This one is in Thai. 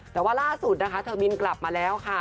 แต่ว่าล่าสุดนะคะเธอบินกลับมาแล้วค่ะ